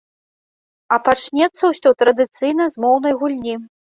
А пачнецца ўсе традыцыйна з моўнай гульні.